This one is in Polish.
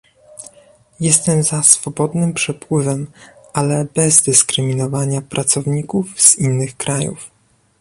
Jestem za swobodnym przepływem, ale bez dyskryminowania pracowników z innych krajów